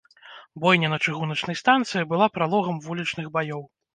Бойня на чыгуначнай станцыі была пралогам вулічных баёў.